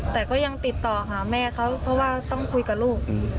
แต่ก็ยังติดต่อหาแม่เขาเพราะว่าต้องคุยกับลูก